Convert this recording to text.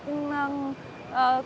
và rất là kích thích